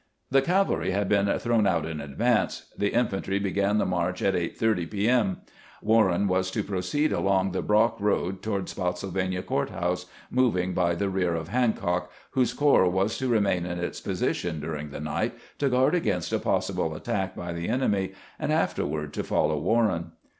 The cavalry had been thrown out in advance ; the infantry began the march at 8 : 30 p. m. Warren was to proceed along the Brock road toward Spottsylvania Court house, moving by the rear of Hancock, whose corps was to remain in its posi tion during the night to guard against a possible attack by the enemy, and afterward to follow "Warren.